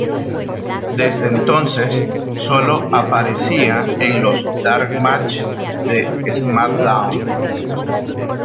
Desde entonces solo aparecía en los Dark Match de Smackdown!.